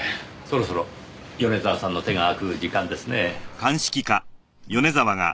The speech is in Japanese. そろそろ米沢さんの手が空く時間ですねぇ。